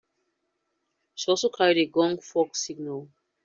She also carried a gong fog signal.